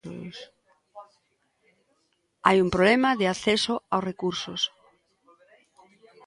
Hai un problema de acceso aos recursos.